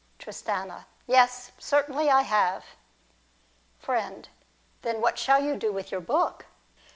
Tristano. Yes. Certainly I have. Friend. Then what shall you do with your book